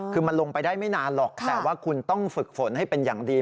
คือมันลงไปได้ไม่นานหรอกแต่ว่าคุณต้องฝึกฝนให้เป็นอย่างดี